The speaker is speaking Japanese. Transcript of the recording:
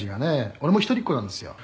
俺も一人っ子なんですよ」